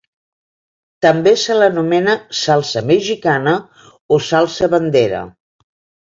També se l'anomena salsa mexicana o salsa bandera.